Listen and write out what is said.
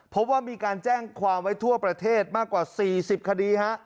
พบว่ามีการแจ้งความไว้ทั่วประเทศมากกว่า๔๐คดีฮะ